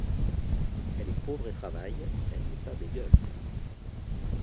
Elle est pauvre et travaille ; elle n'est pas bégueule ;